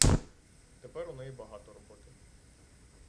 Тепер у неї багато роботи.